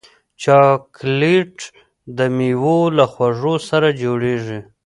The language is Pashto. چاکلېټ د میوو له خوږو سره جوړېږي.